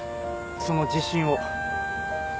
その自信を。